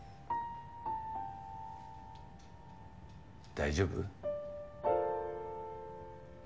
大丈夫？